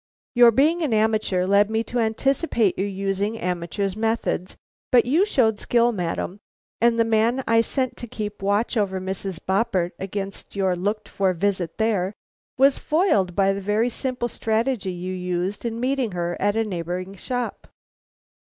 Your being an amateur led me to anticipate your using an amateur's methods, but you showed skill, madam, and the man I sent to keep watch over Mrs. Boppert against your looked for visit there, was foiled by the very simple strategy you used in meeting her at a neighboring shop."